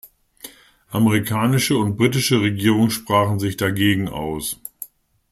Amerikanische und britische Regierung sprachen sich dagegen aus.